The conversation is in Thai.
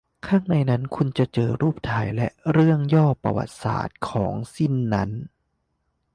ข้างในนั้น คุณจะเจอรูปถ่ายและเรื่องย่อประวัติศาสตร์ของของสินนั้น